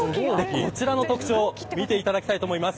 こちらの特徴見ていただきたいと思います。